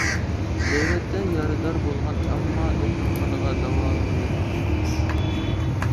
نۆۋەتتە، يارىدار بولغان ئامما دوختۇرخانىغا داۋالىنىۋېتىپتۇ.